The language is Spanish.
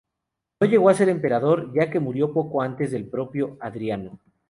No llegó a ser emperador, ya que murió poco antes que el propio Adriano.